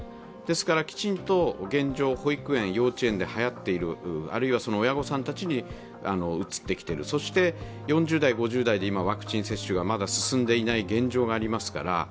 ですから、きちんと現状、保育園、幼稚園ではやっている、あるいは親御さんたちにうつってきている、そして４０代、５０代で今、ワクチン接種がまだ進んでいない現状がありますから。